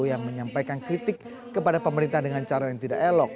yang menyampaikan kritik kepada pemerintah dengan cara yang tidak elok